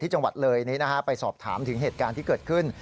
จังหวัดเลยนี้นะฮะไปสอบถามถึงเหตุการณ์ที่เกิดขึ้น